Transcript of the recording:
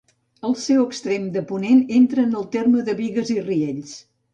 El seu extrem de ponent entra en el terme de Bigues i Riells.